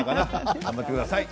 頑張ってください。